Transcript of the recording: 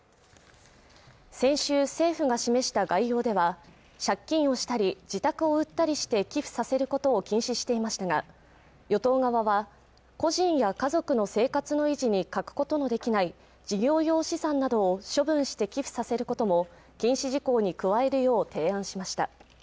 先週政府が示した概要では借金をしたり自宅を売ったりして寄付させることを禁止していましたが与党側は個人や家族の生活の維持に欠くことのできない事業用資産などを処分して寄付させることも禁止事項に加えるよう提案しました